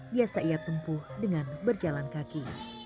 biasa ia tempuh dengan berjalan kaki